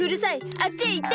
あっちへ行って！